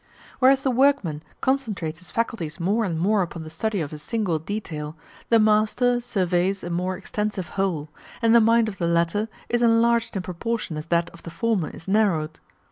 Whereas the workman concentrates his faculties more and more upon the study of a single detail, the master surveys a more extensive whole, and the mind of the latter is enlarged in proportion as that of the former is narrowed.